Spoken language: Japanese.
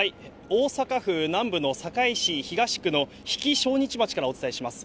大阪府南部の堺市東区のひきしょうにち町からお伝えします。